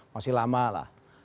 masih lama lah